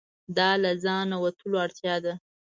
دا له ځانه وتلو اړتیا ده.